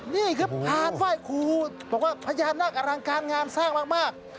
นี่ครับพานไหว้ครูบอกว่าพญานาคอลังการงามสร้างมาก